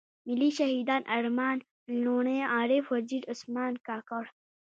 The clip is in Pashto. ملي شهيدان ارمان لوڼی، عارف وزير، عثمان کاکړ.